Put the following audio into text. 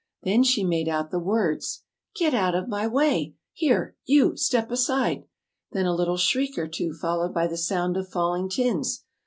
Then she made out the words: "Get out of my way! Here, you, step aside!" (Then a little shriek or two followed by the sound of falling tins.)